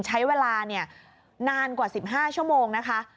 ใช้เวลานานกว่า๑๕ชั่วโมงนะคะ